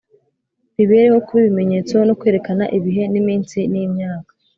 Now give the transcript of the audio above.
bibereho kuba ibimenyetso no kwerekana ibihe n’iminsi n’imyaka,